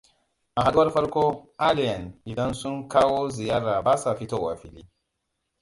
A haɗuwar farko, alien idan sun kawo ziyara basa fitowa fili.